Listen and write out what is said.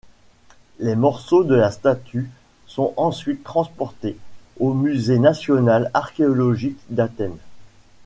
Les morceaux de la statue sont ensuite transportés au Musée national archéologique d'Athènes.